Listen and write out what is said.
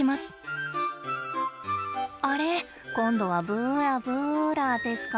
あれっ今度はブラブラですか。